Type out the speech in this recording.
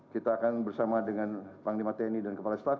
kita akan bersama dengan panglima tni dan kepala staf